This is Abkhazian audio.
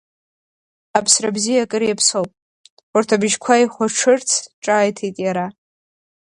Аԥсра бзиа акыр иаԥсоуп, урҭ абжьқәа ихәаҽырц ҿааиҭит иара.